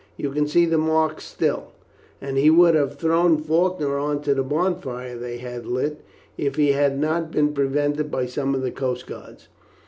You can see the mark still; and he would have thrown Faulkner on to the bonfire they had lit if he had not been prevented by some of the coast guards.